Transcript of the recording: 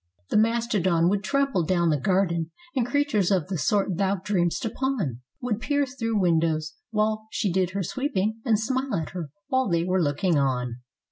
The mastodon would trample down the garden, and creatures of the sort thou dream'st upon. Would peer through windows while she did her sweeping, and smile at her while they were looking on.